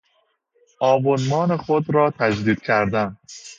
آبونمان خود را تجدید کردن